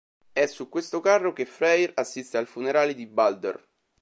È su questo carro che Freyr assiste al funerale di Baldr.